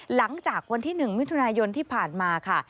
หลังจากวันที่๑มิถุนายนที่ผ่านมาค่ะ